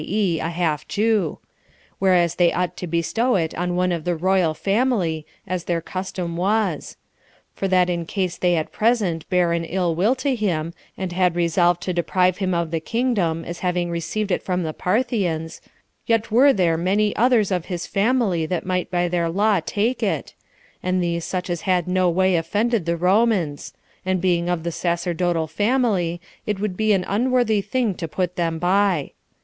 e. a half Jew, 28 whereas they ought to bestow it on one of the royal family, as their custom was; for that in case they at present bear an ill will to him, and had resolved to deprive him of the kingdom, as having received it from the Parthians, yet were there many others of his family that might by their law take it, and these such as had no way offended the Romans; and being of the sacerdotal family, it would be an unworthy thing to put them by.